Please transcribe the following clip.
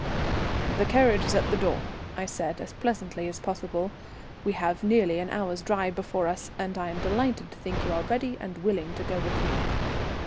"The carriage is at the door," I said as pleasantly as possible. "We have nearly an hour's drive before us, and I am delighted to think that you are ready and willing to go with me."